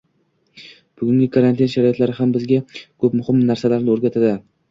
Bugungi karantin sharoitlari ham bizga ko'p muhim narsalarni o'rgatadi